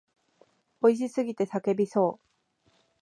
美味しすぎて叫びそう。